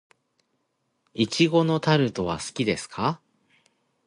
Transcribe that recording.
苺のタルトは好きですか。